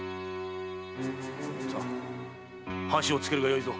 さあ箸を付けるがよいぞ。